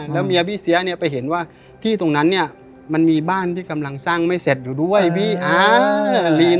แล้วเมียพี่เสียเนี่ยไปเห็นว่าที่ตรงนั้นเนี่ยมันมีบ้านที่กำลังสร้างไม่เสร็จอยู่ด้วยพี่อ่า